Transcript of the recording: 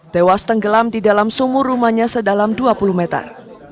tewas tenggelam di dalam sumur rumahnya sedalam dua puluh meter